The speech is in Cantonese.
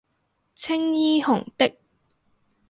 青衣紅的